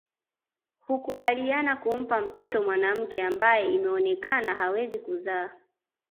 Hukubaliana kumpa mtoto mwanamke ambaye imeonekana hawezi kuzaa